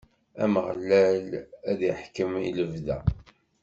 Ameɣlal ad iḥkem i lebda.